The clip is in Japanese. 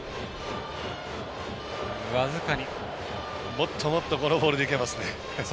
もっともっとこのボールでいけますね。